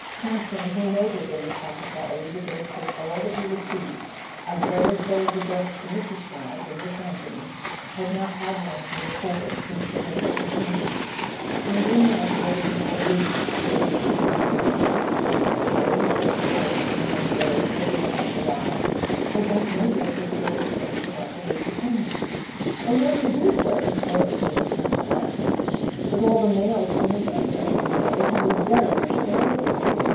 Campton, who noted in his pocket diary the dates of all that he received, as well as those ad¬ dressed to Mrs. Brant and Miss Anthony, had not had one to record since the middle of June. And in that there was no allusion to the Lusitania. "It's queer," he said to Boylston, one day toward [ 258 ] A SON AT THE FRONT the end of July; "I don't know yet what George thinks about the Lusitania ." "Oh, yes, you do, sir !" Boylston returned, laughing; "but all the mails from the war zone," he added, "have been very much delayed lately.